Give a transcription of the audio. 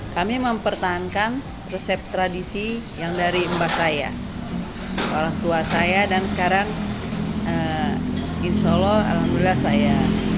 kami mempertahankan resep tradisi yang dari mbak saya orang tua saya dan sekarang insya allah alhamdulillah saya